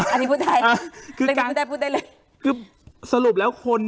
อันนี้พูดได้เหลือกางพูดแบบตายเลยคือสรุปแล้วคน